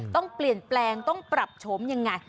ต้องเปลี่ยนแปลงต้องปรับโฉมยังไง